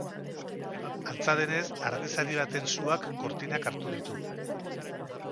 Antza denez, argizari baten suak gortinak hartu ditu.